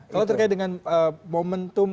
kalau terkait dengan momentum